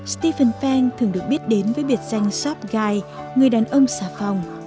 stephen fang thường được biết đến với biệt danh shop gai người đàn ông xà phòng